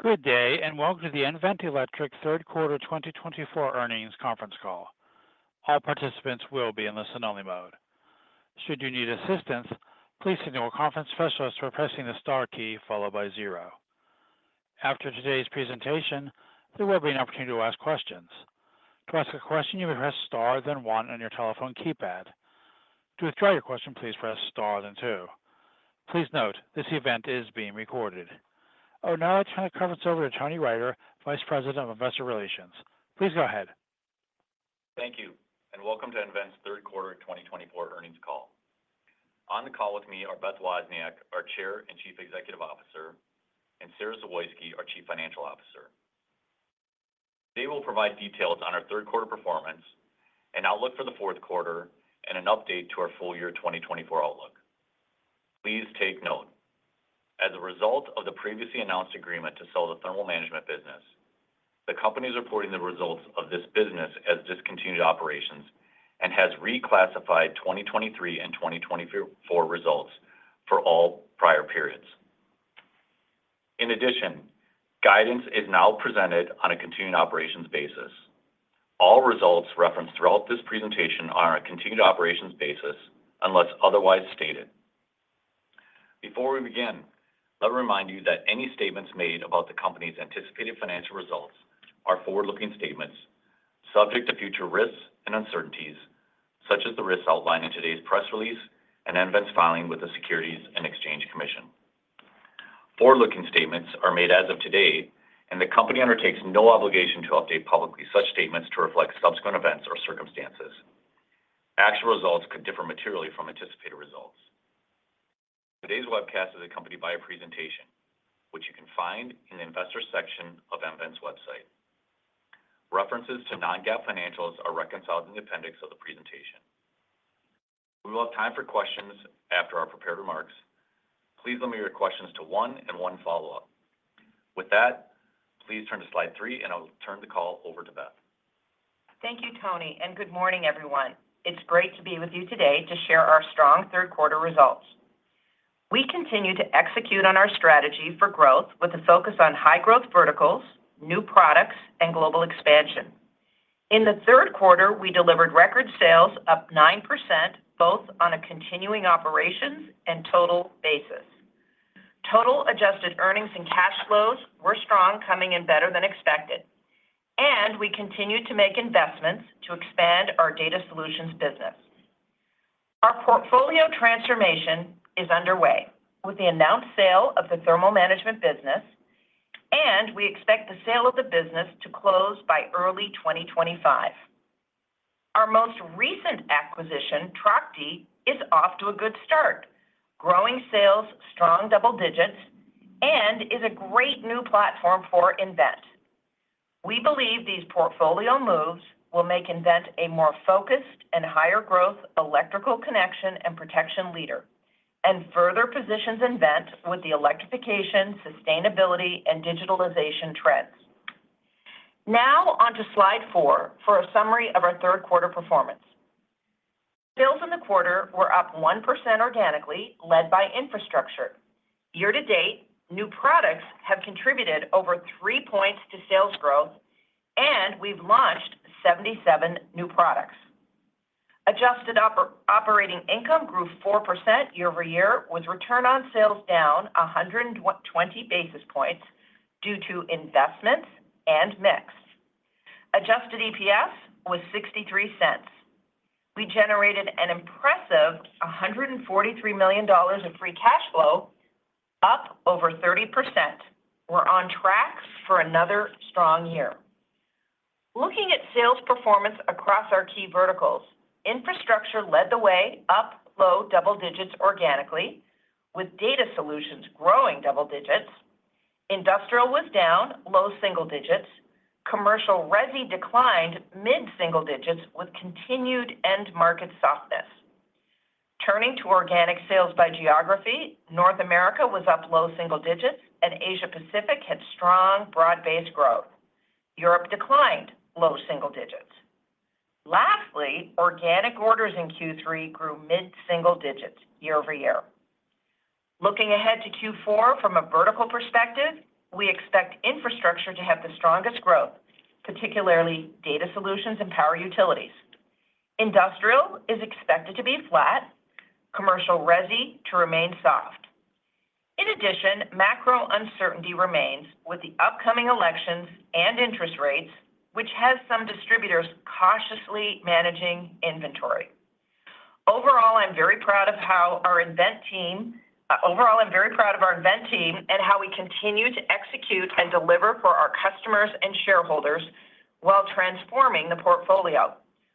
Good day, and welcome to the nVent Electric Q3 2024 earnings Conference Call. All participants will be in listen-only mode. Should you need assistance, please signal a conference specialist by pressing the star key followed by zero. After today's presentation, there will be an opportunity to ask questions. To ask a question, you may press star then one on your telephone keypad. To withdraw your question, please press star then two. Please note, this event is being recorded. Oh, now I turn the conference over to Tony Reynders, Vice President of Investor Relations. Please go ahead. Thank you, and welcome to nVent's Q3 2024 earnings call. On the call with me are Beth Wozniak, our Chair and Chief Executive Officer, and Sara Zawoyski, our Chief Financial Officer. They will provide details on our Q3 performance, an outlook for the fourth quarter, and an update to our full year 2024 outlook. Please take note. As a result of the previously announced agreement to sell the thermal management business, the company is reporting the results of this business as discontinued operations and has reclassified 2023 and 2024 results for all prior periods. In addition, guidance is now presented on a continued operations basis. All results referenced throughout this presentation are on a continued operations basis unless otherwise stated. Before we begin, let me remind you that any statements made about the company's anticipated financial results are forward-looking statements subject to future risks and uncertainties, such as the risks outlined in today's press release and nVent's filing with the Securities and Exchange Commission. Forward-looking statements are made as of today, and the company undertakes no obligation to update publicly such statements to reflect subsequent events or circumstances. Actual results could differ materially from anticipated results. Today's webcast is accompanied by a presentation, which you can find in the investor section of nVent's website. References to non-GAAP financials are reconciled in the appendix of the presentation. We will have time for questions after our prepared remarks. Please limit your questions to one and one follow-up. With that, please turn to slide three, and I'll turn the call over to Beth. Thank you, Tony, and good morning, everyone. It's great to be with you today to share our strong Q3 results. We continue to execute on our strategy for growth with a focus on high-growth verticals, new products, and global expansion. In the Q3, we delivered record sales, up 9%, both on a continuing operations and total basis. Total adjusted earnings and cash flows were strong, coming in better than expected, and we continue to make investments to expand our data solutions business. Our portfolio transformation is underway with the announced sale of the thermal management business, and we expect the sale of the business to close by early 2025. Our most recent acquisition, Trachte, is off to a good start, growing sales strong double digits, and is a great new platform for nVent. We believe these portfolio moves will make nVent a more focused and higher-growth electrical connection and protection leader and further positions nVent with the electrification, sustainability, and digitalization trends. Now onto slide four for a summary of our Q3 performance. Sales in the quarter were up 1% organically, led by infrastructure. Year to date, new products have contributed over three points to sales growth, and we've launched 77 new products. Adjusted operating income grew 4% year over year, with return on sales down 120 basis points due to investments and mix. Adjusted EPS was $0.63. We generated an impressive $143 million in free cash flow, up over 30%. We're on track for another strong year. Looking at sales performance across our key verticals, infrastructure led the way, up low double digits organically, with data solutions growing double digits. Industrial was down low single digits. Commercial Resi declined mid-single digits with continued end market softness. Turning to organic sales by geography, North America was up low single digits, and Asia Pacific had strong broad-based growth. Europe declined low single digits. Lastly, organic orders in Q3 grew mid-single digits year over year. Looking ahead to Q4 from a vertical perspective, we expect infrastructure to have the strongest growth, particularly data solutions and power utilities. Industrial is expected to be flat, Commercial Resi to remain soft. In addition, macro uncertainty remains with the upcoming elections and interest rates, which has some distributors cautiously managing inventory. Overall, I'm very proud of our nVent team and how we continue to execute and deliver for our customers and shareholders while transforming the portfolio.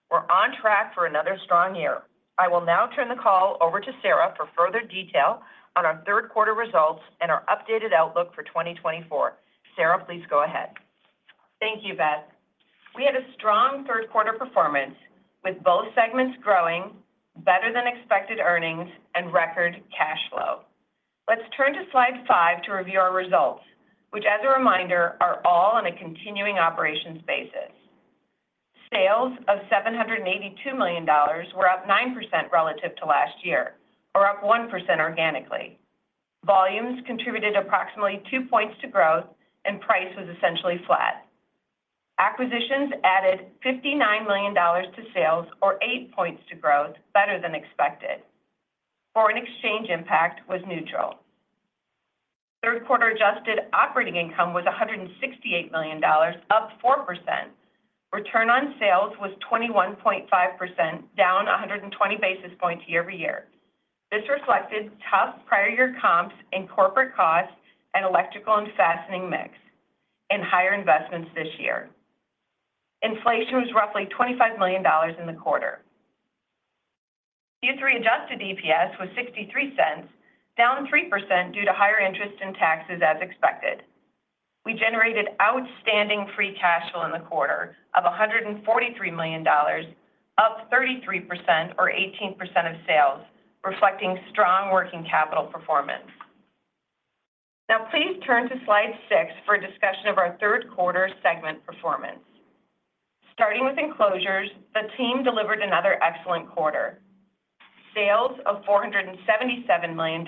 We're on track for another strong year. I will now turn the call over to Sarah for further detail on our Q3 results and our updated outlook for 2024. Sarah, please go ahead. Thank you, Beth. We have a strong Q3 performance with both segments growing, better than expected earnings, and record cash flow. Let's turn to slide five to review our results, which, as a reminder, are all on a continuing operations basis. Sales of $782 million were up 9% relative to last year, or up 1% organically. Volumes contributed approximately two points to growth, and price was essentially flat. Acquisitions added $59 million to sales, or eight points to growth, better than expected. Foreign exchange impact was neutral. Q3 adjusted operating income was $168 million, up 4%. Return on sales was 21.5%, down 120 basis points year over year. This reflected tough prior year comps and corporate costs and electrical and fastening mix and higher investments this year. Inflation was roughly $25 million in the quarter. Q3 adjusted EPS was $0.63, down 3% due to higher interest and taxes as expected. We generated outstanding free cash flow in the quarter of $143 million, up 33%, or 18% of sales, reflecting strong working capital performance. Now, please turn to slide six for a discussion of our Q3 segment performance. Starting with enclosures, the team delivered another excellent quarter. Sales of $477 million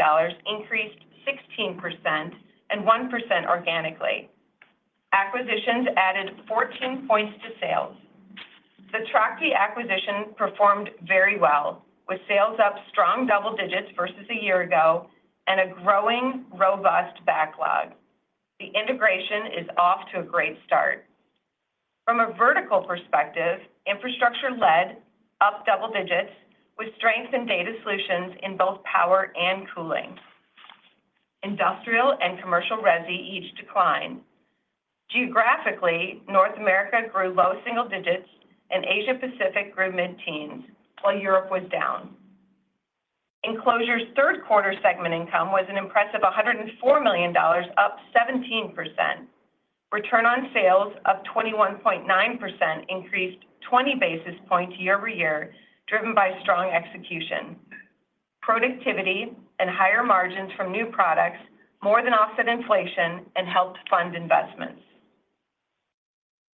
increased 16% and 1% organically. Acquisitions added 14 points to sales. The Trachte acquisition performed very well, with sales up strong double digits versus a year ago and a growing robust backlog. The integration is off to a great start. From a vertical perspective, infrastructure led up double digits with strength in data solutions in both power and cooling. Industrial and Commercial Resi each declined. Geographically, North America grew low single digits, and Asia Pacific grew mid-teens, while Europe was down. Enclosures Q3 segment income was an impressive $104 million, up 17%. Return on Sales of 21.9% increased 20 basis points year over year, driven by strong execution. Productivity and higher margins from new products more than offset inflation and helped fund investments.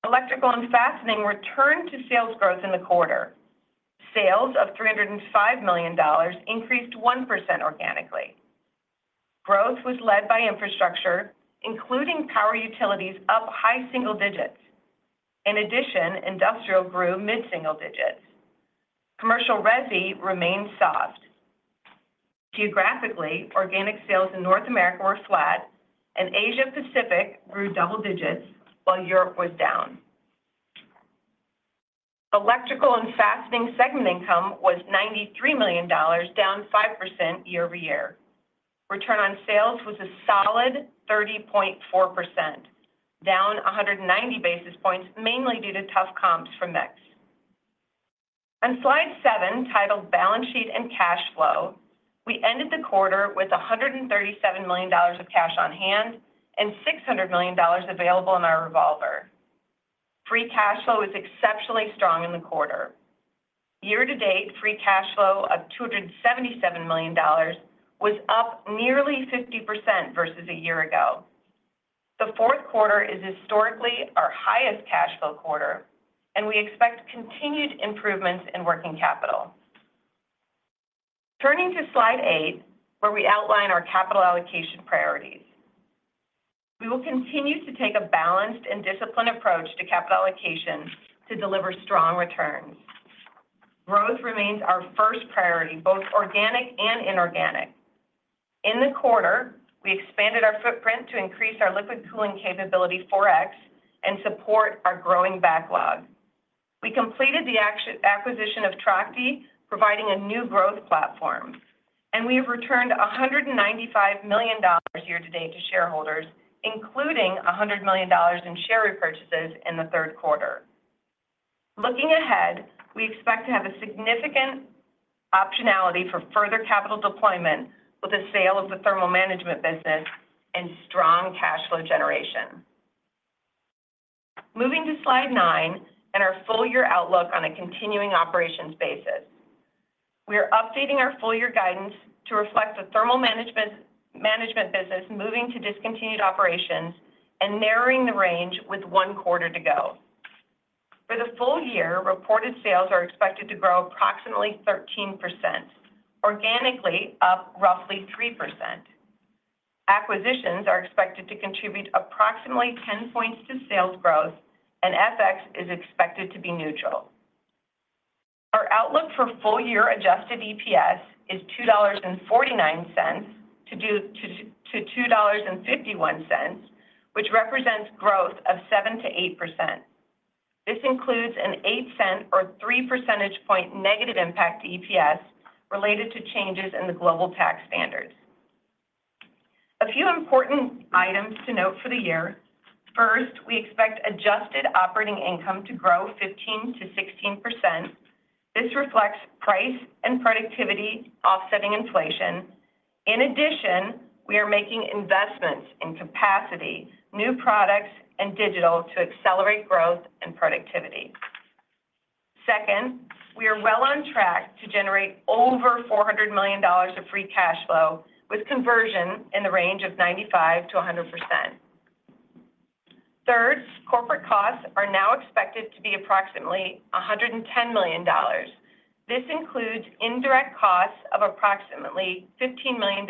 Electrical and fastening returned to sales growth in the quarter. Sales of $305 million increased 1% organically. Growth was led by infrastructure, including power utilities, up high single digits. In addition, industrial grew mid-single digits. Commercial Resi remained soft. Geographically, organic sales in North America were flat, and Asia Pacific grew double digits, while Europe was down. Electrical and fastening segment income was $93 million, down 5% year over year. Return on Sales was a solid 30.4%, down 190 basis points, mainly due to tough comps from mix. On slide seven, titled Balance Sheet and Cash Flow, we ended the quarter with $137 million of cash on hand and $600 million available in our revolver. Free cash flow was exceptionally strong in the quarter. Year to date, free cash flow of $277 million was up nearly 50% versus a year ago. The fourth quarter is historically our highest cash flow quarter, and we expect continued improvements in working capital. Turning to slide eight, where we outline our capital allocation priorities. We will continue to take a balanced and disciplined approach to capital allocation to deliver strong returns. Growth remains our first priority, both organic and inorganic. In the quarter, we expanded our footprint to increase our liquid cooling capability 4X and support our growing backlog. We completed the acquisition of Trachte, providing a new growth platform, and we have returned $195 million year to date to shareholders, including $100 million in share repurchases in the Q3. Looking ahead, we expect to have a significant optionality for further capital deployment with the sale of the thermal management business and strong cash flow generation. Moving to slide nine and our full year outlook on a continuing operations basis. We are updating our full year guidance to reflect the thermal management business moving to discontinued operations and narrowing the range with one quarter to go. For the full year, reported sales are expected to grow approximately 13%, organically up roughly 3%. Acquisitions are expected to contribute approximately 10 points to sales growth, and FX is expected to be neutral. Our outlook for full year adjusted EPS is $2.49-$2.51, which represents growth of 7%-8%. This includes a $0.08 or 3 percentage point negative impact on EPS related to changes in the global tax standards. A few important items to note for the year. First, we expect adjusted operating income to grow 15%-16%. This reflects price and productivity offsetting inflation. In addition, we are making investments in capacity, new products, and digital to accelerate growth and productivity. Second, we are well on track to generate over $400 million of free cash flow with conversion in the range of 95%-100%. Third, corporate costs are now expected to be approximately $110 million. This includes indirect costs of approximately $15 million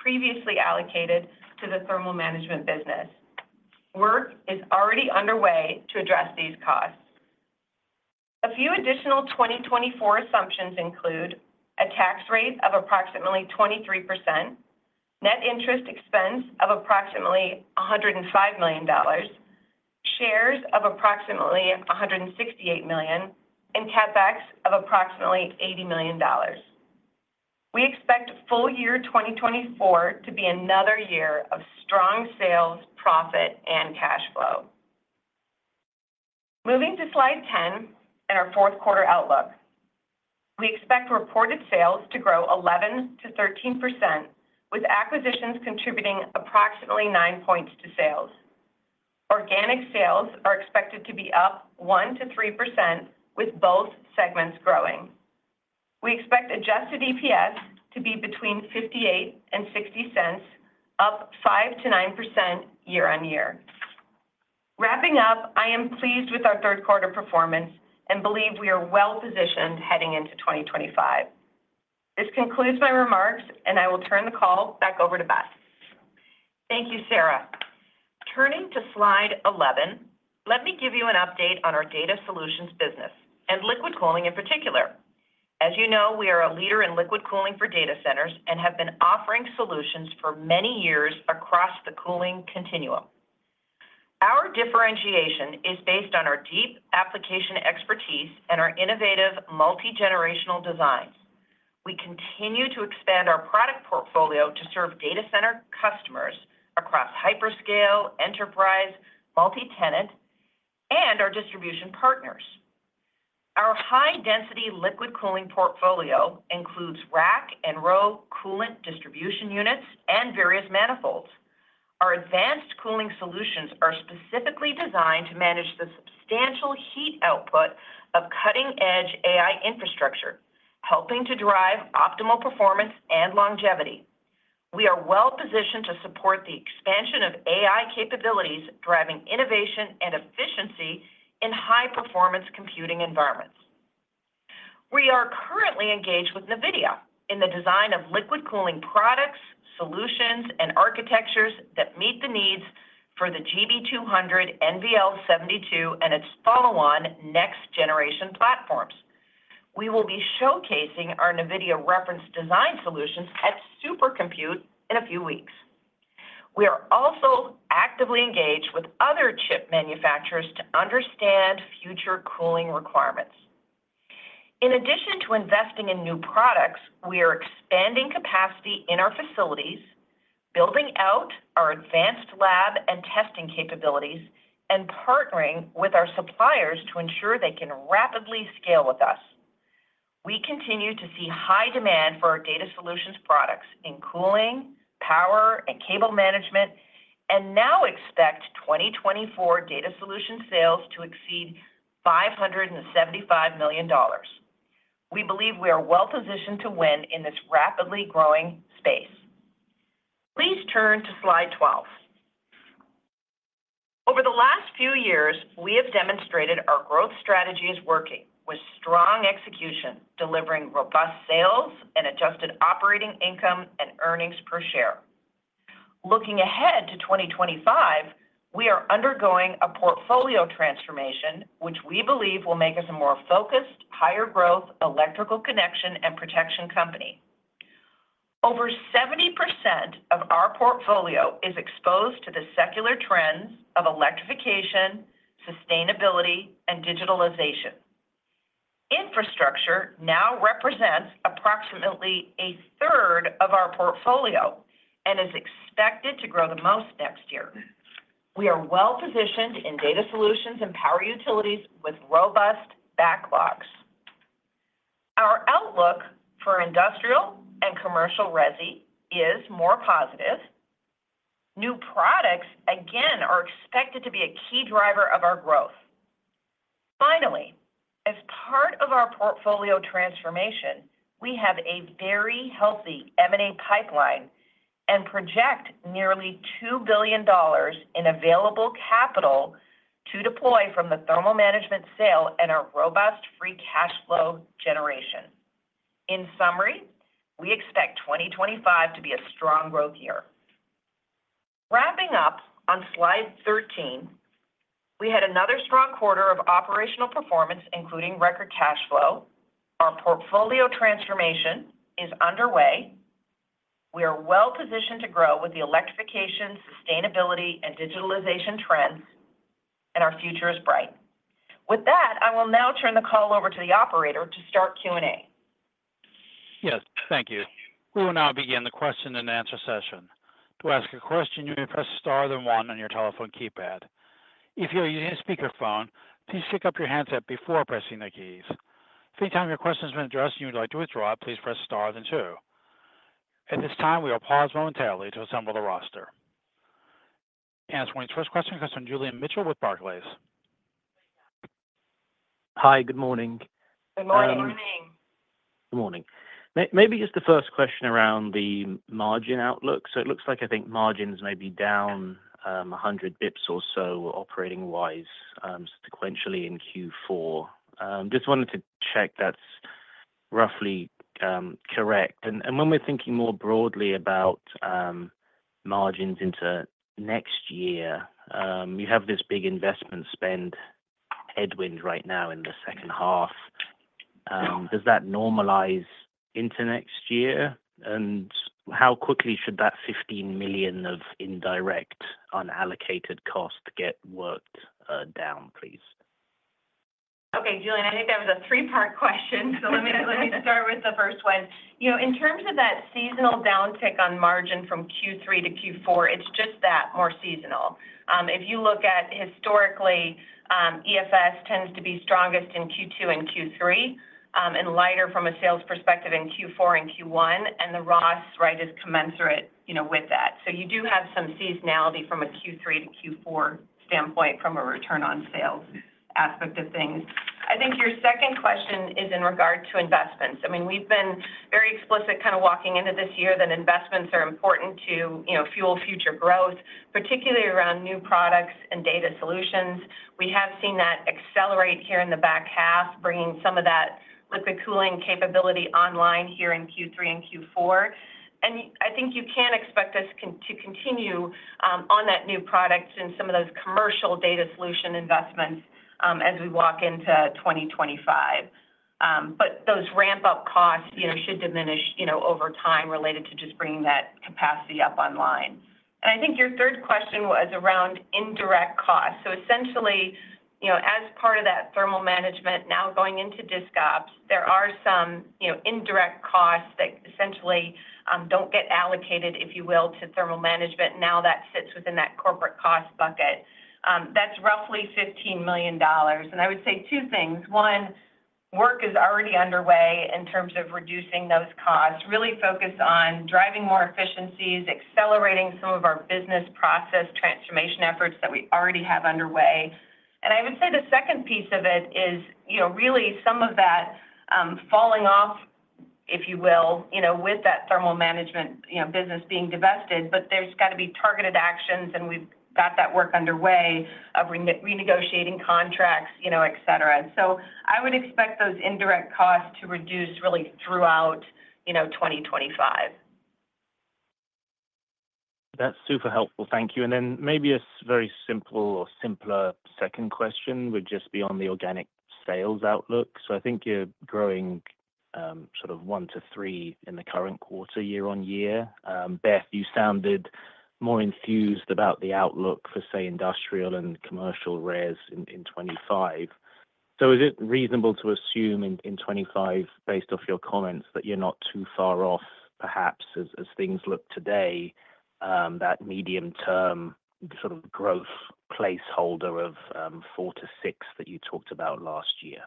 previously allocated to the thermal management business. Work is already underway to address these costs. A few additional 2024 assumptions include a tax rate of approximately 23%, net interest expense of approximately $105 million, shares of approximately $168 million, and CapEx of approximately $80 million. We expect full year 2024 to be another year of strong sales, profit, and cash flow. Moving to slide 10 and our fourth quarter outlook. We expect reported sales to grow 11%-13%, with acquisitions contributing approximately 9 points to sales. Organic sales are expected to be up 1%-3%, with both segments growing. We expect adjusted EPS to be between $0.58 and $0.60, up 5%-9% year on year. Wrapping up, I am pleased with our Q3 performance and believe we are well positioned heading into 2025. This concludes my remarks, and I will turn the call back over to Beth. Thank you, Sarah. Turning to slide 11, let me give you an update on our data solutions business and liquid cooling in particular. As you know, we are a leader in liquid cooling for data centers and have been offering solutions for many years across the cooling continuum. Our differentiation is based on our deep application expertise and our innovative multi-generational designs. We continue to expand our product portfolio to serve data center customers across hyperscale, enterprise, multi-tenant, and our distribution partners. Our high-density liquid cooling portfolio includes rack and row coolant distribution units and various manifolds. Our advanced cooling solutions are specifically designed to manage the substantial heat output of cutting-edge AI infrastructure, helping to drive optimal performance and longevity. We are well positioned to support the expansion of AI capabilities, driving innovation and efficiency in high-performance computing environments. We are currently engaged with NVIDIA in the design of liquid cooling products, solutions, and architectures that meet the needs for the GB200 NVL72 and its follow-on next-generation platforms. We will be showcasing our NVIDIA reference design solutions at Supercomputing in a few weeks. We are also actively engaged with other chip manufacturers to understand future cooling requirements. In addition to investing in new products, we are expanding capacity in our facilities, building out our advanced lab and testing capabilities, and partnering with our suppliers to ensure they can rapidly scale with us. We continue to see high demand for our data solutions products in cooling, power, and cable management, and now expect 2024 data solution sales to exceed $575 million. We believe we are well positioned to win in this rapidly growing space. Please turn to slide 12. Over the last few years, we have demonstrated our growth strategy is working with strong execution, delivering robust sales and adjusted operating income and earnings per share. Looking ahead to 2025, we are undergoing a portfolio transformation, which we believe will make us a more focused, higher-growth electrical connection and protection company. Over 70% of our portfolio is exposed to the secular trends of electrification, sustainability, and digitalization. Infrastructure now represents approximately a third of our portfolio and is expected to grow the most next year. We are well positioned in data solutions and power utilities with robust backlogs. Our outlook for industrial and commercial resi is more positive. New products, again, are expected to be a key driver of our growth. Finally, as part of our portfolio transformation, we have a very healthy M&A pipeline and project nearly $2 billion in available capital to deploy from the thermal management sale and our robust free cash flow generation. In summary, we expect 2025 to be a strong growth year. Wrapping up on slide 13, we had another strong quarter of operational performance, including record cash flow. Our portfolio transformation is underway. We are well positioned to grow with the electrification, sustainability, and digitalization trends, and our future is bright. With that, I will now turn the call over to the operator to start Q&A. Yes, thank you. We will now begin the question and answer session. To ask a question, you may press star then one on your telephone keypad. If you're using a speakerphone, please pick up your handset before pressing the keys. If at any time your question has been addressed and you would like to withdraw, please press star then two. At this time, we will pause momentarily to assemble the roster. Answering this first question comes from Julian Mitchell with Barclays. Hi, good morning. Good morning. Good morning. Good morning. Maybe just the first question around the margin outlook. So it looks like I think margins may be down 100 basis points or so operating-wise sequentially in Q4. Just wanted to check that's roughly correct. And when we're thinking more broadly about margins into next year, you have this big investment spend headwind right now in the second half. Does that normalize into next year? And how quickly should that $15 million of indirect unallocated cost get worked down, please? Okay, Julian, I think that was a three-part question, so let me start with the first one.In terms of that seasonal downtick on margin from Q3 to Q4, it's just that more seasonal. If you look at historically, EFS tends to be strongest in Q2 and Q3 and lighter from a sales perspective in Q4 and Q1, and the ROS rate is commensurate with that. So you do have some seasonality from a Q3 to Q4 standpoint from a return on sales aspect of things. I think your second question is in regard to investments. I mean, we've been very explicit kind of walking into this year that investments are important to fuel future growth, particularly around new products and data solutions. We have seen that accelerate here in the back half, bringing some of that liquid cooling capability online here in Q3 and Q4. And I think you can expect us to continue on that new product and some of those commercial data solution investments as we walk into 2025. But those ramp-up costs should diminish over time related to just bringing that capacity up online. And I think your third question was around indirect costs. So essentially, as part of that thermal management now going into enclosures, there are some indirect costs that essentially don't get allocated, if you will, to thermal management. Now that sits within that corporate cost bucket. That's roughly $15 million. And I would say two things. One, work is already underway in terms of reducing those costs, really focused on driving more efficiencies, accelerating some of our business process transformation efforts that we already have underway. And I would say the second piece of it is really some of that falling off, if you will, with that thermal management business being divested, but there's got to be targeted actions, and we've got that work underway of renegotiating contracts, etc. So I would expect those indirect costs to reduce really throughout 2025. That's super helpful. Thank you. And then maybe a very simple or simpler second question would just be on the organic sales outlook. So I think you're growing sort of one to three in the current quarter year on year. Beth, you sounded more enthused about the outlook for, say, industrial and commercial areas in 2025. So is it reasonable to assume in 2025, based off your comments, that you're not too far off, perhaps, as things look today, that medium-term sort of growth placeholder of four to six that you talked about last year?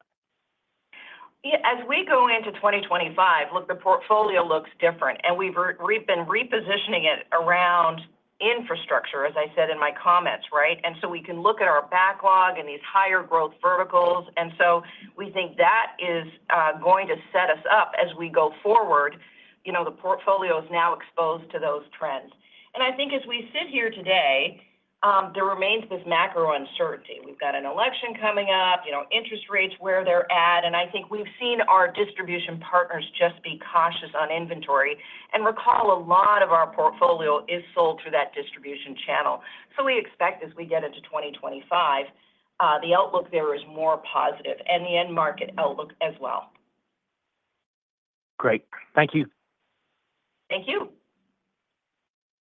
As we go into 2025, look, the portfolio looks different, and we've been repositioning it around infrastructure, as I said in my comments, right? And so we can look at our backlog and these higher growth verticals. And so we think that is going to set us up as we go forward. The portfolio is now exposed to those trends. And I think as we sit here today, there remains this macro uncertainty. We've got an election coming up, interest rates where they're at, and I think we've seen our distribution partners just be cautious on inventory and, recall, a lot of our portfolio is sold through that distribution channel. So we expect as we get into 2025, the outlook there is more positive and the end market outlook as well. Great. Thank you. Thank you.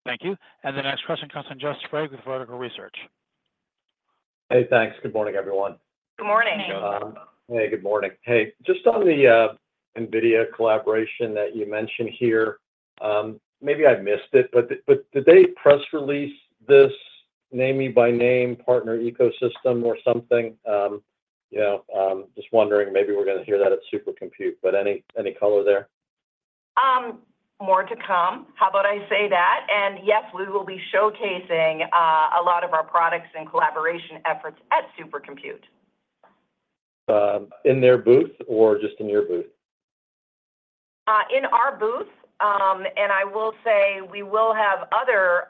Thank you. And the next question comes from Jeffrey Sprague with Vertical Research Partners. Hey, thanks. Good morning, everyone. Good morning. Hey, good morning. Hey, just on the NVIDIA collaboration that you mentioned here, maybe I missed it, but did they press release this name-by-name partner ecosystem or something? Just wondering, maybe we're going to hear that at Supercomputing, but any color there? More to come. How about I say that? And yes, we will be showcasing a lot of our products and collaboration efforts at Supercomputing. In their booth or just in your booth? In our booth. And I will say we will have other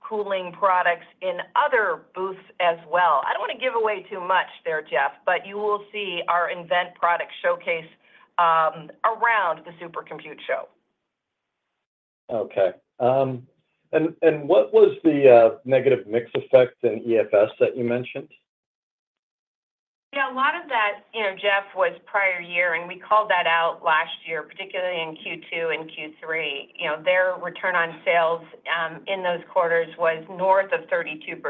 cooling products in other booths as well. I don't want to give away too much there, Jeff, but you will see our event product showcase around the Supercomputing show. Okay. And what was the negative mix effect in EFS that you mentioned? Yeah, a lot of that, Jeff, was prior year, and we called that out last year, particularly in Q2 and Q3. Their return on sales in those quarters was north of 32%.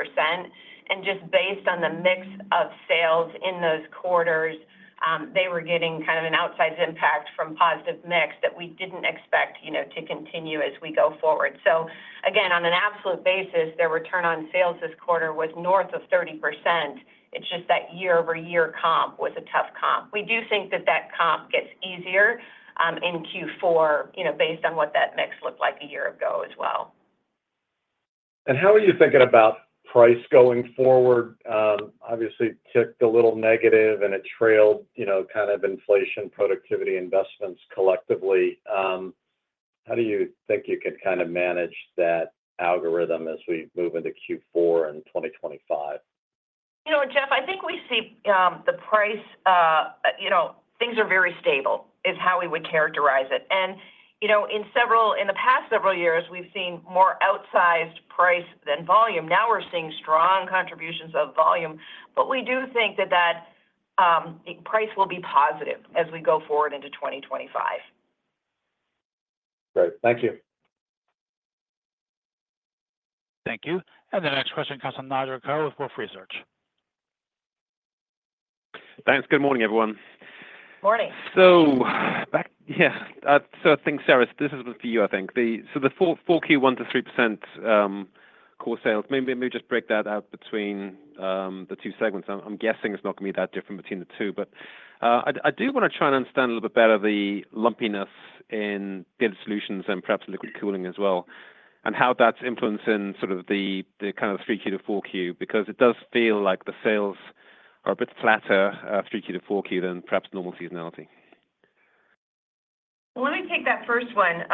And just based on the mix of sales in those quarters, they were getting kind of an outsized impact from positive mix that we didn't expect to continue as we go forward. So again, on an absolute basis, their return on sales this quarter was north of 30%. It's just that year-over-year comp was a tough comp. We do think that that comp gets easier in Q4 based on what that mix looked like a year ago as well. And how are you thinking about price going forward? Obviously, it took the little negative and it trailed kind of inflation, productivity, investments collectively. How do you think you could kind of manage that algorithm as we move into Q4 in 2025? You know, Jeff, I think we see the price things are very stable is how we would characterize it. And in the past several years, we've seen more outsized price than volume. Now we're seeing strong contributions of volume, but we do think that that price will be positive as we go forward into 2025. Great. Thank you. Thank you. And the next question comes from Nigel Coe with Wolfe Research. Thanks. Good morning, everyone. Morning. So yeah, so I think, Sarah, this is for you, I think. So the 4Q 1%-3% core sales, maybe just break that out between the two segments. I'm guessing it's not going to be that different between the two, but I do want to try and understand a little bit better the lumpiness in data solutions and perhaps liquid cooling as well, and how that's influencing sort of the kind of 3Q to 4Q because it does feel like the sales are a bit flatter 3Q to 4Q than perhaps normal seasonality. Well, let me take that first one.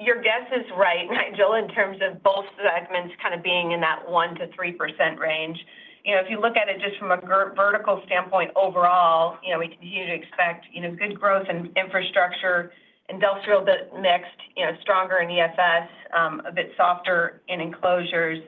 Your guess is right, Nigel, in terms of both segments kind of being in that 1%-3% range. If you look at it just from a vertical standpoint overall, we continue to expect good growth in infrastructure, industrial mixed, stronger in EFS, a bit softer in enclosures,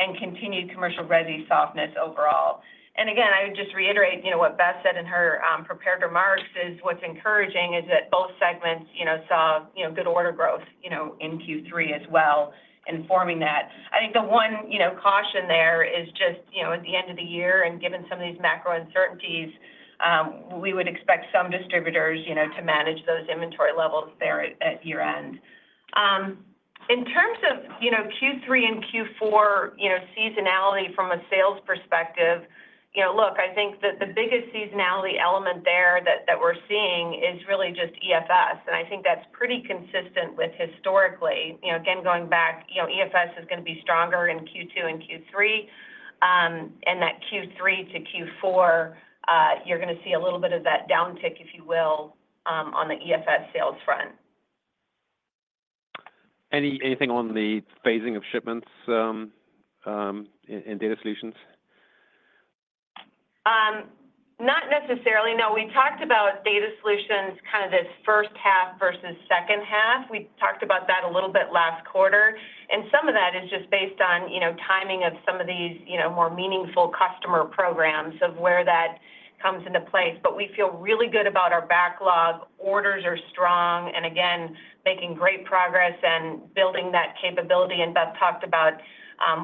and continued commercial resi softness overall. And again, I would just reiterate what Beth said in her prepared remarks. What's encouraging is that both segments saw good order growth in Q3 as well, informing that. I think the one caution there is just at the end of the year and given some of these macro uncertainties, we would expect some distributors to manage those inventory levels there at year-end. In terms of Q3 and Q4 seasonality from a sales perspective, look, I think that the biggest seasonality element there that we're seeing is really just EFS. And I think that's pretty consistent with historically. Again, going back, EFS is going to be stronger in Q2 and Q3. And that Q3 to Q4, you're going to see a little bit of that downtick, if you will, on the EFS sales front. Anything on the phasing of shipments in data solutions? Not necessarily. No, we talked about data solutions kind of this first half versus second half. We talked about that a little bit last quarter. And some of that is just based on timing of some of these more meaningful customer programs of where that comes into place. But we feel really good about our backlog. Orders are strong and again, making great progress and building that capability. And Beth talked about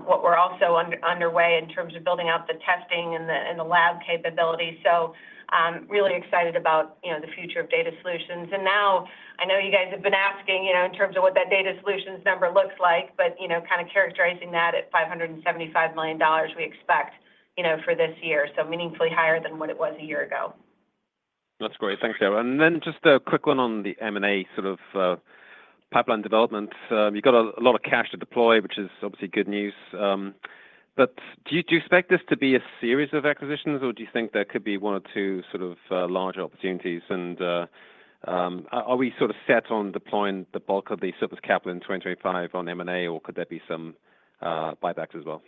what we're also underway in terms of building out the testing and the lab capability. So really excited about the future of data solutions. And now I know you guys have been asking in terms of what that data solutions number looks like, but kind of characterizing that at $575 million we expect for this year, so meaningfully higher than what it was a year ago. That's great. Thanks, Sarah. And then just a quick one on the M&A sort of pipeline development. You've got a lot of cash to deploy, which is obviously good news. But do you expect this to be a series of acquisitions, or do you think there could be one or two sort of larger opportunities? And are we sort of set on deploying the bulk of the excess capital in 2025 on M&A, or could there be some buybacks as well?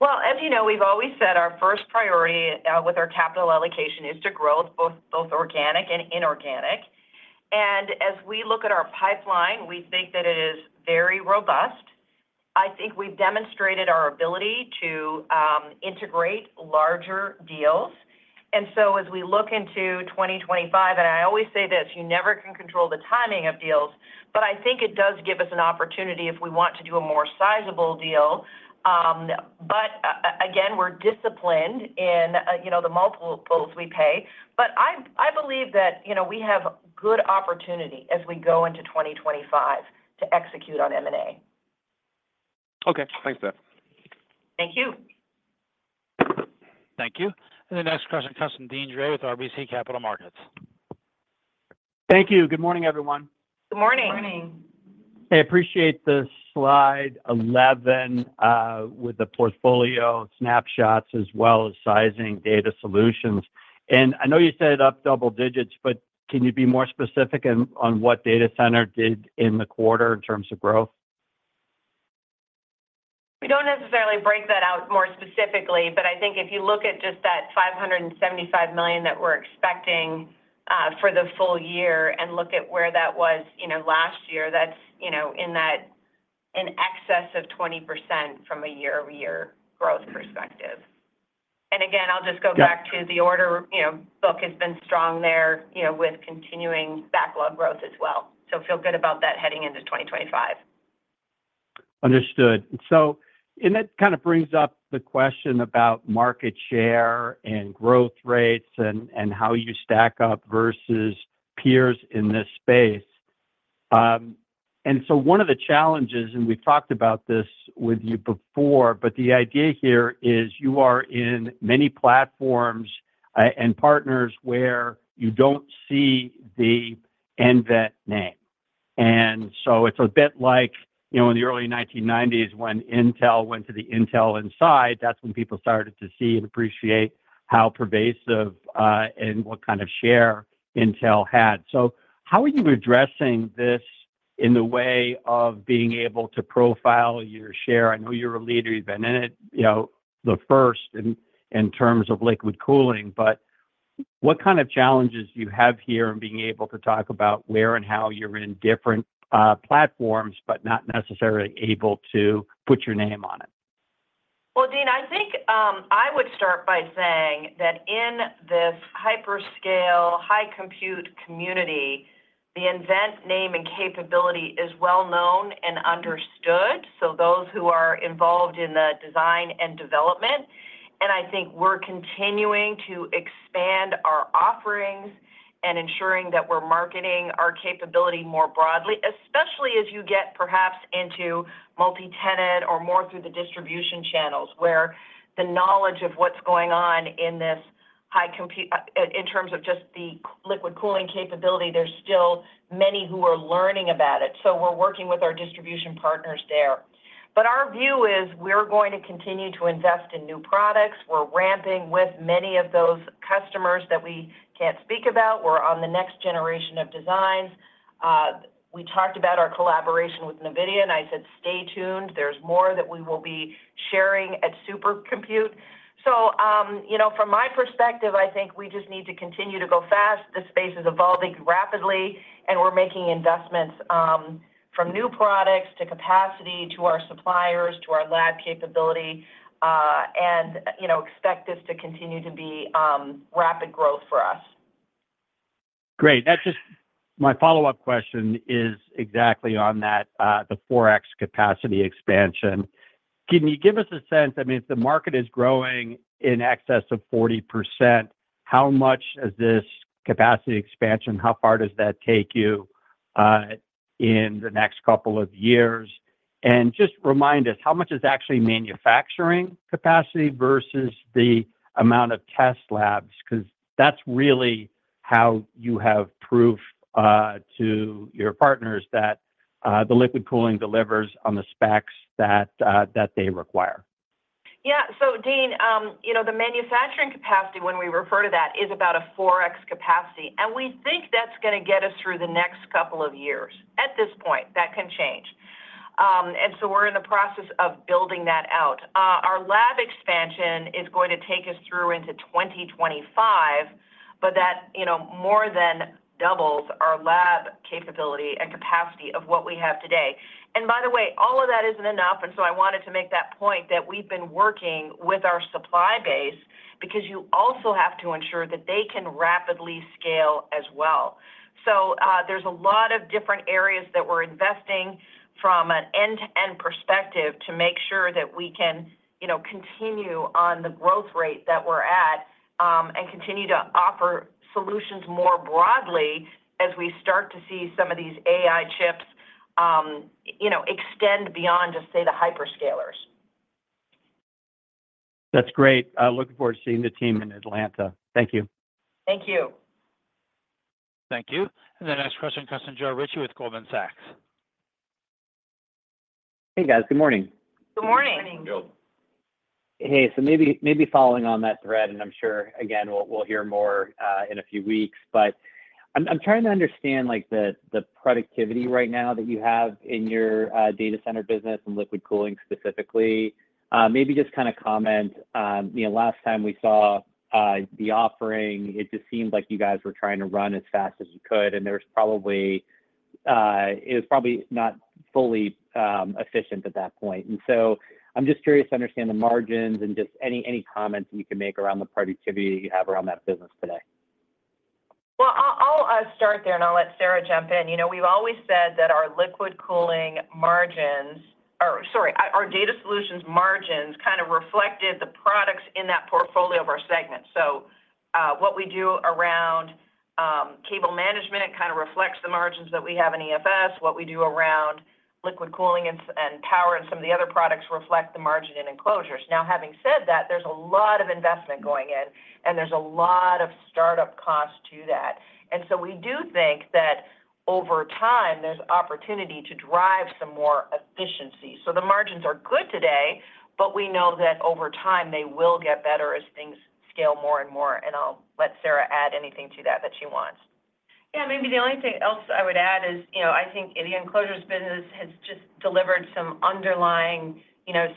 Well, as you know, we've always said our first priority with our capital allocation is growth, both organic and inorganic. And as we look at our pipeline, we think that it is very robust. I think we've demonstrated our ability to integrate larger deals. And so as we look into 2025, and I always say this, you never can control the timing of deals, but I think it does give us an opportunity if we want to do a more sizable deal. But again, we're disciplined in the multiples we pay. But I believe that we have good opportunity as we go into 2025 to execute on M&A. Okay. Thanks, Beth. Thank you. Thank you. And the next question comes from Deane Dray with RBC Capital Markets. Thank you. Good morning, everyone. Good morning. Good morning. I appreciate the slide 11 with the portfolio snapshots as well as sizing data solutions. And I know you set it up double digits, but can you be more specific on what data center did in the quarter in terms of growth? We don't necessarily break that out more specifically, but I think if you look at just that $575 million that we're expecting for the full year and look at where that was last year, that's in excess of 20% from a year-over-year growth perspective. And again, I'll just go back to the order book has been strong there with continuing backlog growth as well. So feel good about that heading into 2025. Understood. So and that kind of brings up the question about market share and growth rates and how you stack up versus peers in this space. And so one of the challenges, and we've talked about this with you before, but the idea here is you are in many platforms and partners where you don't see the nVent name. And so it's a bit like in the early 1990s when Intel went to the Intel Inside, that's when people started to see and appreciate how pervasive and what kind of share Intel had. So how are you addressing this in the way of being able to profile your share? I know you're a leader, you've been in it the first in terms of liquid cooling, but what kind of challenges do you have here in being able to talk about where and how you're in different platforms, but not necessarily able to put your name on it? Well, Deane, I think I would start by saying that in this hyperscale, high-compute community, the nVent name and capability is well-known and understood. So those who are involved in the design and development, and I think we're continuing to expand our offerings and ensuring that we're marketing our capability more broadly, especially as you get perhaps into multi-tenant or more through the distribution channels where the knowledge of what's going on in this high-compute, in terms of just the liquid cooling capability, there's still many who are learning about it. So we're working with our distribution partners there. But our view is we're going to continue to invest in new products. We're ramping with many of those customers that we can't speak about. We're on the next generation of designs. We talked about our collaboration with NVIDIA, and I said, "Stay tuned. There's more that we will be sharing at Supercomputing." So from my perspective, I think we just need to continue to go fast. The space is evolving rapidly, and we're making investments from new products to capacity to our suppliers to our lab capability and expect this to continue to be rapid growth for us. Great. My follow-up question is exactly on that, the 4X capacity expansion. Can you give us a sense? I mean, if the market is growing in excess of 40%, how much is this capacity expansion? How far does that take you in the next couple of years? And just remind us, how much is actually manufacturing capacity versus the amount of test labs? Because that's really how you have proof to your partners that the liquid cooling delivers on the specs that they require. Yeah. So Deane, the manufacturing capacity, when we refer to that, is about a 4X capacity. And we think that's going to get us through the next couple of years. At this point, that can change. And so we're in the process of building that out. Our lab expansion is going to take us through into 2025, but that more than doubles our lab capability and capacity of what we have today. And by the way, all of that isn't enough. And so I wanted to make that point that we've been working with our supply base because you also have to ensure that they can rapidly scale as well. So there's a lot of different areas that we're investing from an end-to-end perspective to make sure that we can continue on the growth rate that we're at and continue to offer solutions more broadly as we start to see some of these AI chips extend beyond, just say, the hyperscalers. That's great. Looking forward to seeing the team in Atlanta. Thank you. Thank you. Thank you. The next question comes from Joe Ritchie with Goldman Sachs. Hey, guys. Good morning. Good morning. Good morning. Hey. So maybe following on that thread, and I'm sure, again, we'll hear more in a few weeks. But I'm trying to understand the productivity right now that you have in your data center business and liquid cooling specifically. Maybe just kind of comment. Last time we saw the offering, it just seemed like you guys were trying to run as fast as you could, and it was probably not fully efficient at that point. And so I'm just curious to understand the margins and just any comments you can make around the productivity you have around that business today. Well, I'll start there, and I'll let Sarah jump in. We've always said that our liquid cooling margins, or sorry, our data solutions margins, kind of reflected the products in that portfolio of our segment, so what we do around cable management kind of reflects the margins that we have in EFS. What we do around liquid cooling and power and some of the other products reflect the margin in enclosures. Now, having said that, there's a lot of investment going in, and there's a lot of startup cost to that, and so we do think that over time, there's opportunity to drive some more efficiency, so the margins are good today, but we know that over time, they will get better as things scale more and more, and I'll let Sarah add anything to that that she wants. Yeah. Maybe the only thing else I would add is I think the enclosures business has just delivered some underlying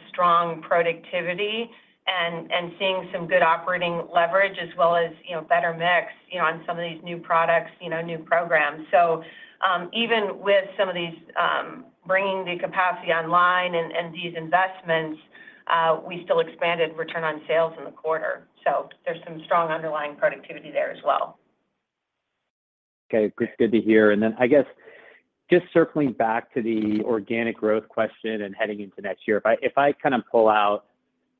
strong productivity and seeing some good operating leverage as well as better mix on some of these new products, new programs. So even with some of these bringing the capacity online and these investments, we still expanded return on sales in the quarter. So there's some strong underlying productivity there as well. Okay. Good to hear. And then I guess just circling back to the organic growth question and heading into next year, if I kind of pull out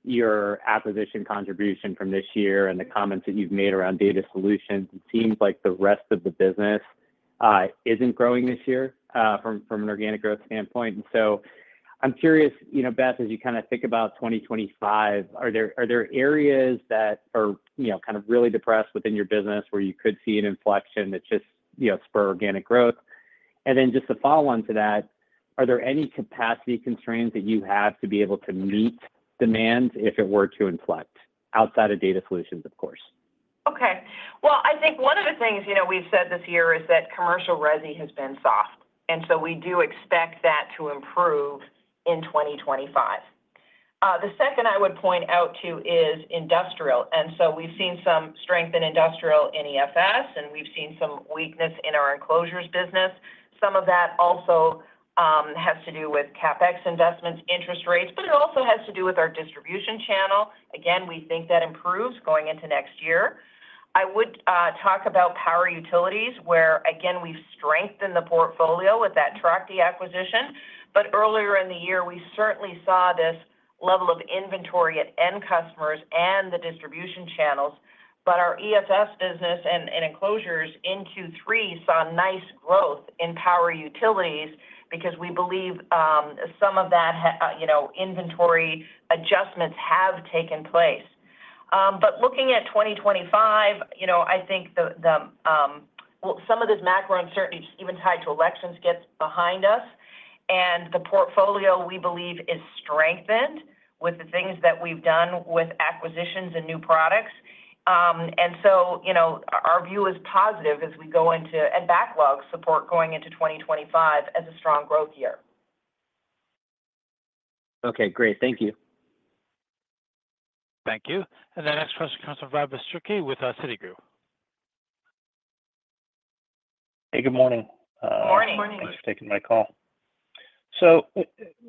your acquisition contribution from this year and the comments that you've made around data solutions, it seems like the rest of the business isn't growing this year from an organic growth standpoint. And so I'm curious, Beth, as you kind of think about 2025, are there areas that are kind of really depressed within your business where you could see an inflection that just spur organic growth? And then just to follow on to that, are there any capacity constraints that you have to be able to meet demands if it were to inflect outside of data solutions, of course? Okay. Well, I think one of the things we've said this year is that commercial resi has been soft. And so we do expect that to improve in 2025. The second I would point out to is industrial. And so we've seen some strength in industrial in EFS, and we've seen some weakness in our enclosures business. Some of that also has to do with CapEx investments, interest rates, but it also has to do with our distribution channel. Again, we think that improves going into next year. I would talk about power utilities where, again, we've strengthened the portfolio with that Trachte acquisition. But earlier in the year, we certainly saw this level of inventory at end customers and the distribution channels. But our EFS business and enclosures in Q3 saw nice growth in power utilities because we believe some of that inventory adjustments have taken place. But looking at 2025, I think some of this macro uncertainty, even tied to elections, gets behind us. And the portfolio, we believe, is strengthened with the things that we've done with acquisitions and new products. And so our view is positive as we go into and backlog support going into 2025 as a strong growth year. Okay. Great. Thank you. Thank you. And the next question comes from Robert Schmitz with Citi. Hey. Good morning. Good morning. Thanks for taking my call. So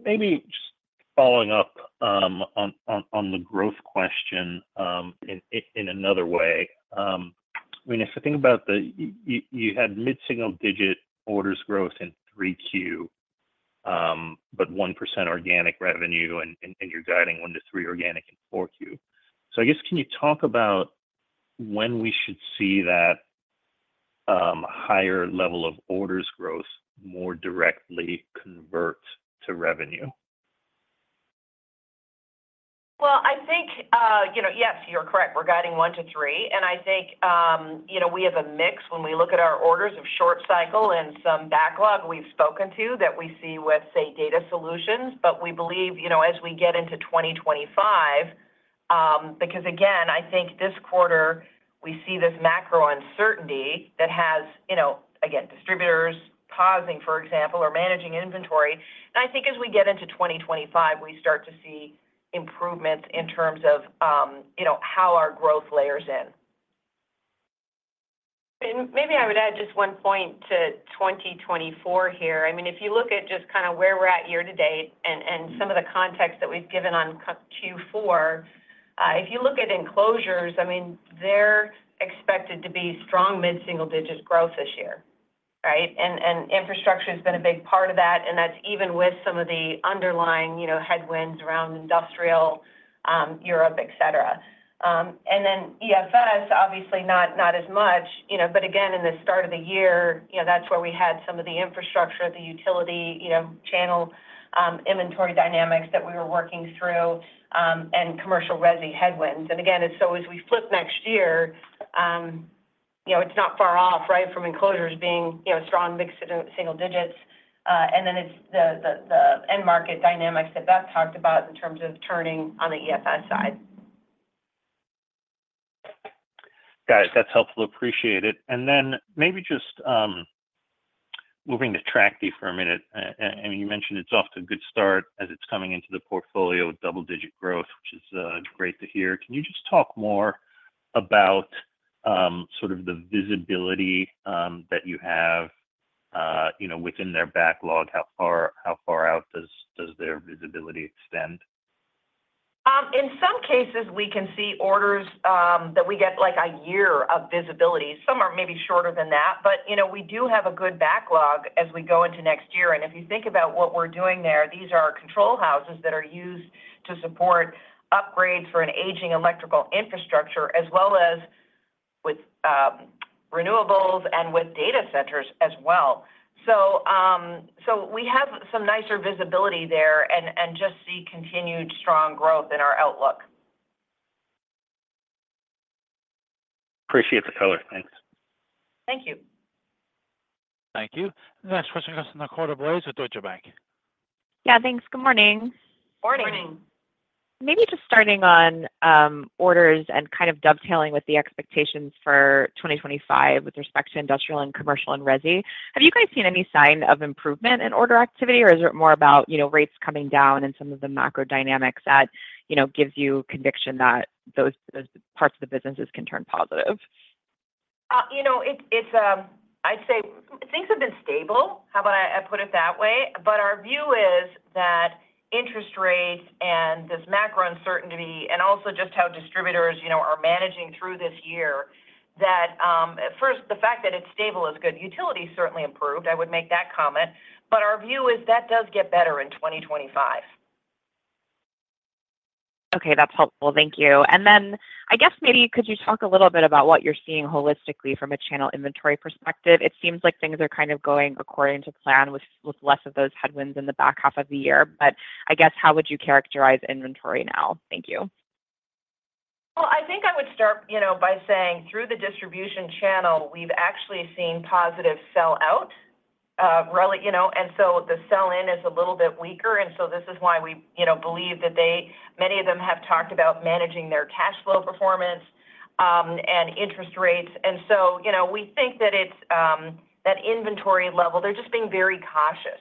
maybe just following up on the growth question in another way. I mean, if you think about the, you had mid-single-digit orders growth in 3Q, but 1% organic revenue, and you're guiding 1% to 3% organic in 4Q. So I guess, can you talk about when we should see that higher level of orders growth more directly convert to revenue? Well, I think, yes, you're correct. We're guiding 1% to 3%. And I think we have a mix when we look at our orders of short cycle and some backlog we've spoken to that we see with, say, data solutions. But we believe as we get into 2025, because again, I think this quarter, we see this macro uncertainty that has, again, distributors pausing, for example, or managing inventory. And I think as we get into 2025, we start to see improvements in terms of how our growth layers in. And maybe I would add just one point to 2024 here. I mean, if you look at just kind of where we're at year to date and some of the context that we've given on Q4, if you look at enclosures, I mean, they're expected to be strong mid-single-digit growth this year, right? And infrastructure has been a big part of that. And that's even with some of the underlying headwinds around industrial Europe, etc. And then EFS, obviously, not as much. But again, in the start of the year, that's where we had some of the infrastructure, the utility channel inventory dynamics that we were working through and commercial resi headwinds. And again, so as we flip next year, it's not far off, right, from enclosures being strong mid-single digits. And then it's the end market dynamics that Beth talked about in terms of turning on the EFS side. Got it. That's helpful. Appreciate it. And then maybe just moving to TRACD for a minute. I mean, you mentioned it's off to a good start as it's coming into the portfolio with double-digit growth, which is great to hear. Can you just talk more about sort of the visibility that you have within their backlog? How far out does their visibility extend? In some cases, we can see orders that we get like a year of visibility. Some are maybe shorter than that. But we do have a good backlog as we go into next year. And if you think about what we're doing there, these are control houses that are used to support upgrades for an aging electrical infrastructure as well as with renewables and with data centers as well. So we have some nicer visibility there and just see continued strong growth in our outlook. Appreciate the color. Thanks. Thank you. Thank you. The next question comes from Nicole DeBlase with Deutsche Bank. Yeah. Thanks. Good morning. Good morning. Good morning. Maybe just starting on orders and kind of dovetailing with the expectations for 2025 with respect to industrial and commercial and resi. Have you guys seen any sign of improvement in order activity, or is it more about rates coming down and some of the macro dynamics that gives you conviction that those parts of the businesses can turn positive? I'd say things have been stable. How about I put it that way? But our view is that interest rates and this macro uncertainty and also just how distributors are managing through this year, that first, the fact that it's stable is good. Utility certainly improved. I would make that comment. But our view is that does get better in 2025. Okay. That's helpful. Thank you. And then I guess maybe could you talk a little bit about what you're seeing holistically from a channel inventory perspective? It seems like things are kind of going according to plan with less of those headwinds in the back half of the year. But I guess, how would you characterize inventory now? Thank you. Well, I think I would start by saying through the distribution channel, we've actually seen positive sell-out. And so the sell-in is a little bit weaker. And so this is why we believe that many of them have talked about managing their cash flow performance and interest rates. And so we think that it's that inventory level, they're just being very cautious.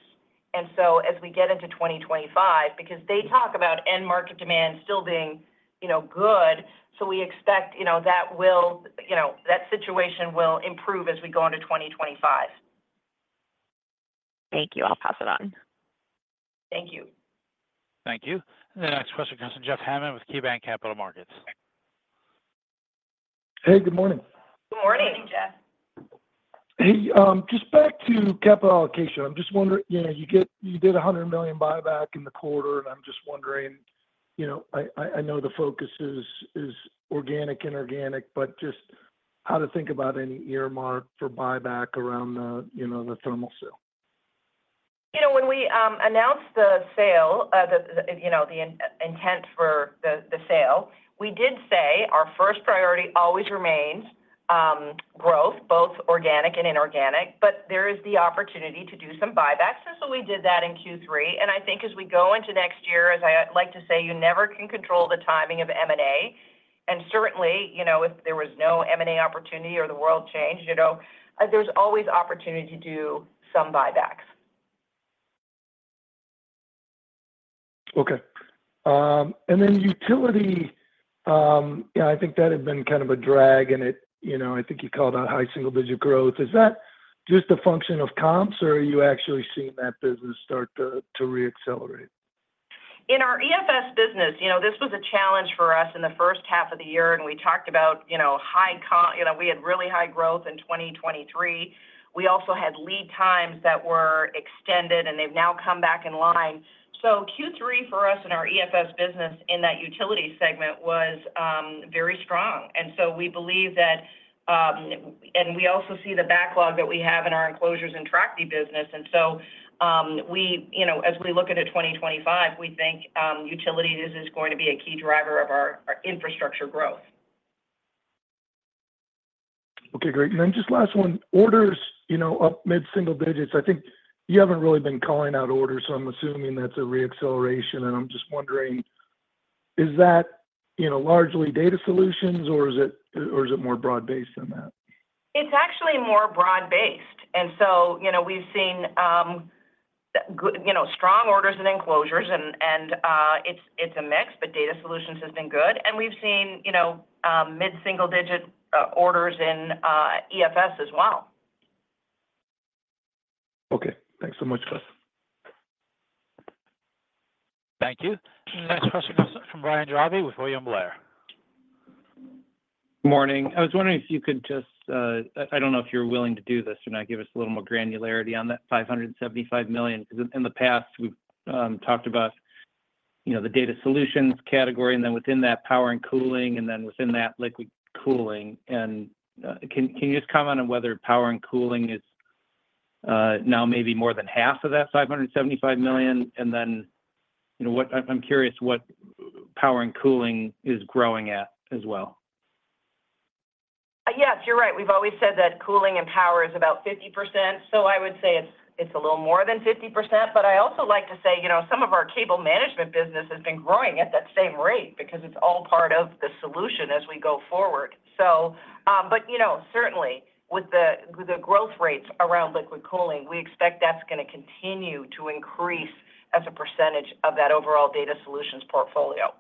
And so as we get into 2025, because they talk about end market demand still being good, so we expect that situation will improve as we go into 2025. Thank you. I'll pass it on. Thank you. Thank you. And the next question comes from Jeff Hammond with KeyBanc Capital Markets. Hey. Good morning. Good morning. Good morning, Jeff. Hey. Just back to capital allocation. I'm just wondering, you did a $100 million buyback in the quarter, and I'm just wondering, I know the focus is organic, inorganic, but just how to think about any earmark for buyback around the thermal cell. When we announced the sale, the intent for the sale, we did say our first priority always remains growth, both organic and inorganic, but there is the opportunity to do some buybacks. And so we did that in Q3. And I think as we go into next year, as I like to say, you never can control the timing of M&A. And certainly, if there was no M&A opportunity or the world changed, there's always opportunity to do some buybacks. Okay. And then utility, I think that had been kind of a drag, and I think you called out high single-digit growth. Is that just a function of comps, or are you actually seeing that business start to re-accelerate? In our EFS business, this was a challenge for us in the first half of the year, and we talked about high comp. We had really high growth in 2023. We also had lead times that were extended, and they've now come back in line, so Q3 for us in our EFS business in that utility segment was very strong, and so we believe that, and we also see the backlog that we have in our enclosures and Trachte business, and so as we look into 2025, we think utilities is going to be a key driver of our infrastructure growth. Okay. Great, and then just last one, orders up mid-single digits. I think you haven't really been calling out orders, so I'm assuming that's a re-acceleration, and I'm just wondering, is that largely data solutions, or is it more broad-based than that? It's actually more broad-based, and so we've seen strong orders in enclosures, and it's a mix, but data solutions has been good, and we've seen mid-single digit orders in EFS as well. Okay. Thanks so much, Beth. Thank you. The next question comes from Ryan Jarvi with William Blair. Good morning. I was wondering if you could just, I don't know if you're willing to do this or not, give us a little more granularity on that $575 million. Because in the past, we've talked about the data solutions category, and then within that, power and cooling, and then within that, liquid cooling. And can you just comment on whether power and cooling is now maybe more than half of that $575 million? And then I'm curious what power and cooling is growing at as well. Yes. You're right. We've always said that cooling and power is about 50%. So I would say it's a little more than 50%. But I also like to say some of our cable management business has been growing at that same rate because it's all part of the solution as we go forward. But certainly, with the growth rates around liquid cooling, we expect that's going to continue to increase as a percentage of that overall data solutions portfolio.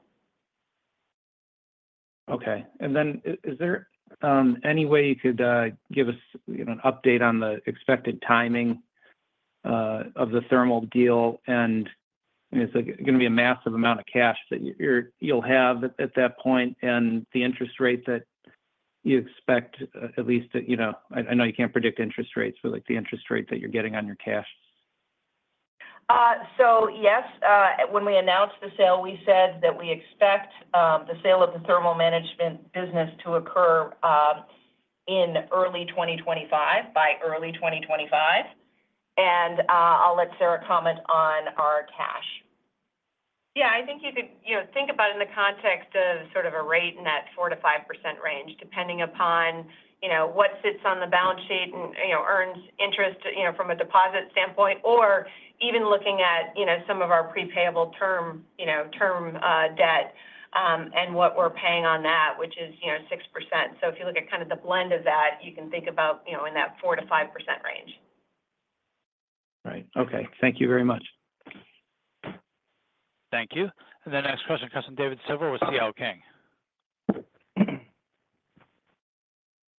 Okay. And then is there any way you could give us an update on the expected timing of the thermal deal? And it's going to be a massive amount of cash that you'll have at that point and the interest rate that you expect at least to, I know you can't predict interest rates, but the interest rate that you're getting on your cash. So yes. When we announced the sale, we said that we expect the sale of the thermal management business to occur in early 2025, by early 2025. And I'll let Sarah comment on our cash. Yeah. I think you could think about it in the context of sort of a rate in that 4%-5% range, depending upon what sits on the balance sheet and earns interest from a deposit standpoint, or even looking at some of our prepayable term debt and what we're paying on that, which is 6%. So if you look at kind of the blend of that, you can think about in that 4%-5% range. Right. Okay. Thank you very much. Thank you. And the next question comes from David Silver with CL King.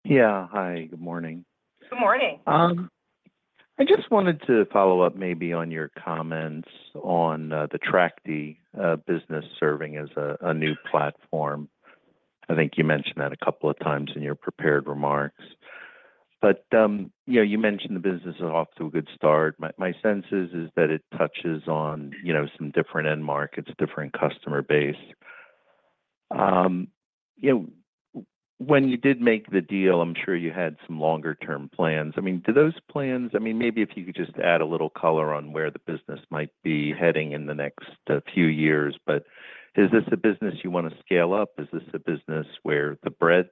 Yeah. Hi. Good morning. Good morning. I just wanted to follow up maybe on your comments on the TRACD business serving as a new platform. I think you mentioned that a couple of times in your prepared remarks. But you mentioned the business is off to a good start. My sense is that it touches on some different end markets, different customer base. When you did make the deal, I'm sure you had some longer-term plans. I mean, do those plans, I mean, maybe if you could just add a little color on where the business might be heading in the next few years. But is this a business you want to scale up? Is this a business where the breadth,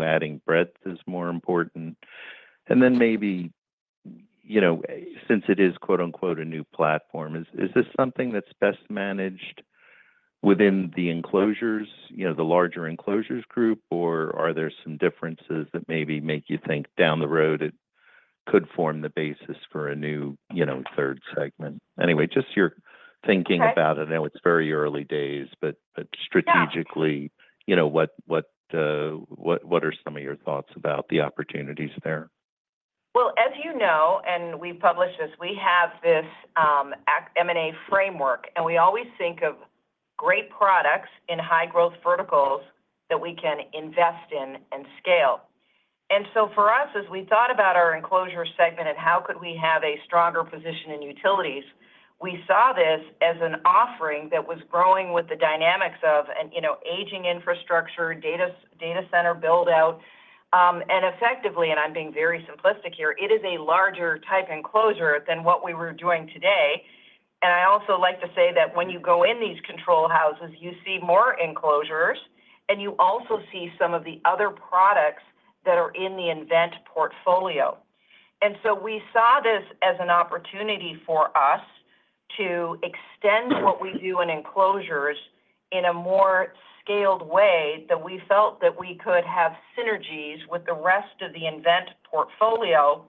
adding breadth is more important? And then maybe since it is "a new platform," is this something that's best managed within the enclosures, the larger enclosures group, or are there some differences that maybe make you think down the road it could form the basis for a new third segment? Anyway, just your thinking about it. I know it's very early days, but strategically, what are some of your thoughts about the opportunities there? Well, as you know, and we've published this, we have this M&A framework. And we always think of great products in high-growth verticals that we can invest in and scale. And so for us, as we thought about our enclosure segment and how could we have a stronger position in utilities, we saw this as an offering that was growing with the dynamics of aging infrastructure, data center buildout. And effectively, and I'm being very simplistic here, it is a larger type enclosure than what we were doing today. And I also like to say that when you go in these control houses, you see more enclosures, and you also see some of the other products that are in the nVent portfolio. And so we saw this as an opportunity for us to extend what we do in enclosures in a more scaled way that we felt that we could have synergies with the rest of the nVent portfolio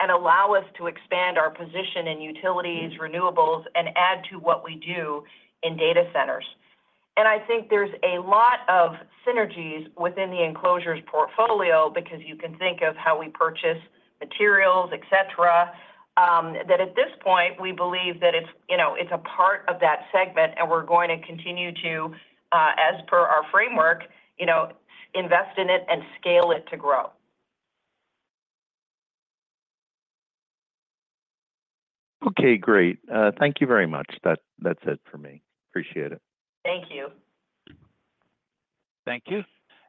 and allow us to expand our position in utilities, renewables, and add to what we do in data centers. And I think there's a lot of synergies within the enclosures portfolio because you can think of how we purchase materials, etc., that at this point, we believe that it's a part of that segment, and we're going to continue to, as per our framework, invest in it and scale it to grow. Okay. Great. Thank you very much. That's it for me. Appreciate it. Thank you. Thank you.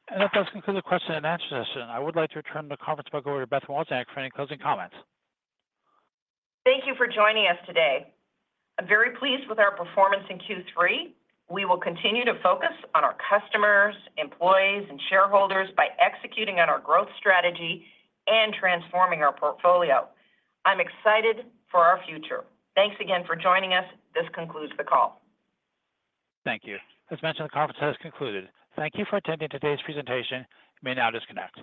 And that does conclude the question and answer session. I would like to return to the conference by going over to Beth Wozniak for any closing comments. Thank you for joining us today. I'm very pleased with our performance in Q3. We will continue to focus on our customers, employees, and shareholders by executing on our growth strategy and transforming our portfolio. I'm excited for our future. Thanks again for joining us. This concludes the call. Thank you. As mentioned, the conference has concluded. Thank you for attending today's presentation. You may now disconnect.